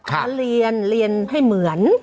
ค่ะค่ะเรียนเรียนให้เหมือน